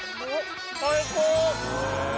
最高！